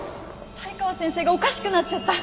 才川先生がおかしくなっちゃった！